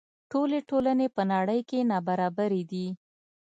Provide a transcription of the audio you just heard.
ټولې ټولنې په نړۍ کې نابرابرې دي.